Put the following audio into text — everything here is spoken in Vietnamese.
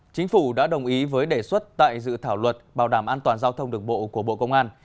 chính phủ đã đồng ý với đề xuất tại dự thảo luật bảo đảm an toàn giao thông đường bộ của bộ công an